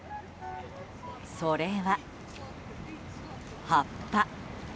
それは葉っぱ。